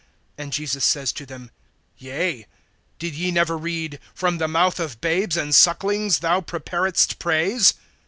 And Jesus says to them: Yea; did ye never read: From the mouth of babes and sucklings thou preparedst praise?